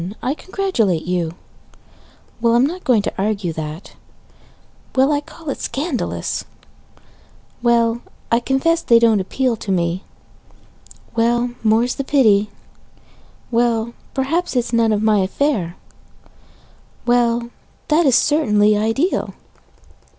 I congratulate you Well, I'm not going to argue that Well, I call it scandalous Well, I confess they don't appeal to me Well, more's the pity Well, perhaps it is none of my affair Well, that is certainly ideal!